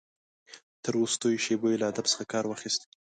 تر وروستیو شېبو یې له ادب څخه کار واخیست.